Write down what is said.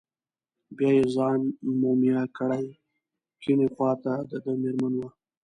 بیا یې ځان مومیا کړی، کیڼې خواته دده مېرمن وه.